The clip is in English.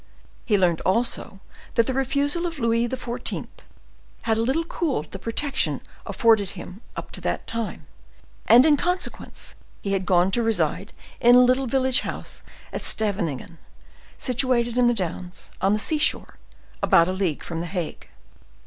He learned also that the refusal of Louis XIV. had a little cooled the protection afforded him up to that time, and in consequence he had gone to reside in a little village house at Scheveningen, situated in the downs, on the sea shore, about a league from the Hague.